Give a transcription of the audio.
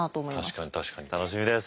確かに確かに楽しみです。